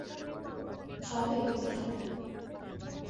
চলো এগোতে থাকি।